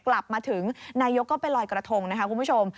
กลับมาถึงนายกก็ไปลอยกระทงนะคะคุณผู้ชม